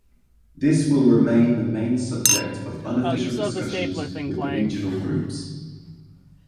This will remain the main subject of unofficial discussions with the regional groups.